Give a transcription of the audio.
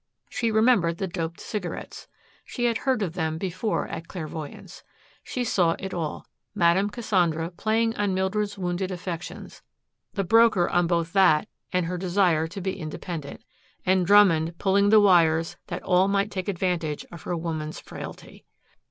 She remembered the doped cigarettes. She had heard of them before at clairvoyants'. She saw it all Madame Cassandra playing on Mildred's wounded affections, the broker on both that and her desire to be independent and Drummond pulling the wires that all might take advantage of her woman's frailty.